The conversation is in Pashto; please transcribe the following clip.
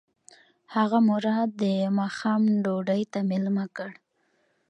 هغه مراد د ماښام ډوډۍ ته مېلمه کړ.